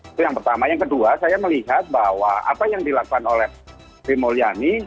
itu yang pertama yang kedua saya melihat bahwa apa yang dilakukan oleh sri mulyani